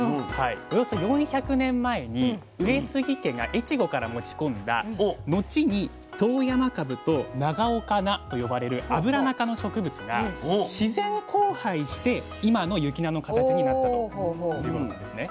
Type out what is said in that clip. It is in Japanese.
およそ４００年前に上杉家が越後から持ち込んだのちに遠山かぶと長岡菜と呼ばれるアブラナ科の植物が自然交配して今の雪菜の形になったということなんですね。